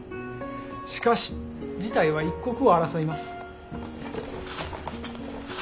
しかし事態は一刻を争います。